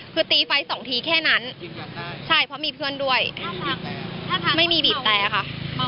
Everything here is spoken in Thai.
คือตีไฟสองทีแค่นั้นใช่เพราะมีเพื่อนด้วยไม่มีบีบแต่ค่ะ